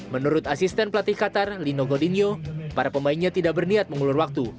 menurut asisten pelatih qatar lino godinho para pemainnya tidak berniat mengulur waktu